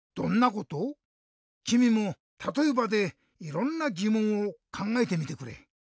きみも「たとえば？」でいろんなぎもんをかんがえてみてくれ。